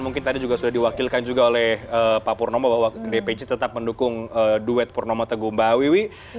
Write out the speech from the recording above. mungkin tadi juga sudah diwakilkan juga oleh pak purnomo bahwa dpc tetap mendukung duet purnomo teguh mbak wiwi